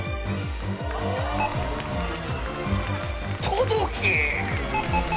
届け！